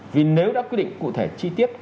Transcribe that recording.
vì nếu đã quy định cụ thể chi tiết